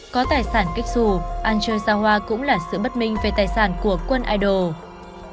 có tài sản kích xù ăn chơi xa hoa cũng là sự bất minh về tài sản của quân idol